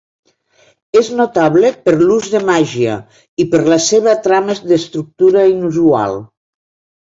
És notable per l'ús de màgia, i per la seva trama d'estructura inusual.